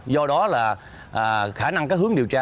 do đó là khả năng hướng điều tra